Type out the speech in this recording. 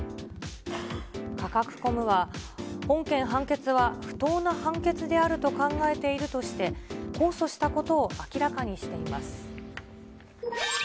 カカクコムは、本件判決は不当な判決であると考えているとして、控訴したことを明らかにしています。